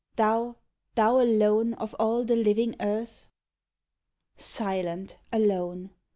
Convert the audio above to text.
Thou, thou alone of all the living earth ? Silent, alone